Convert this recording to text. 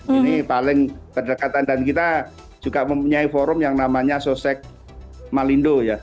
ini paling berdekatan dan kita juga mempunyai forum yang namanya sosek malindo ya